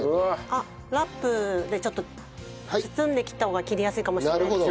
あっラップでちょっと包んで切った方が切りやすいかもしれないです。